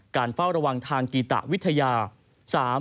เฝ้าระวังทางกีตะวิทยา